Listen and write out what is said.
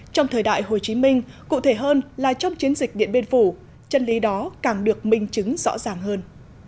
trong thời đại hồ chí minh cụ thể hơn là trong chiến dịch điện biên phủ chân lý đó càng được minh chứng rõ ràng hơn